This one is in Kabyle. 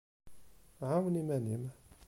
Ɛawen iman-im.